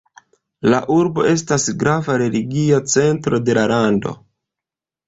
La urbo estas grava religia centro de la lando.